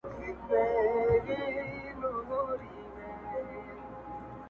نه وم د رندانو په محفل کي مغان څه ویل،